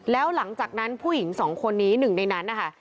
แล้วหลังจากนั้นผู้หญิงสองคนนี้หนึ่งในนั้นนะคะ